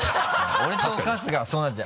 俺と春日はそうなっちゃう。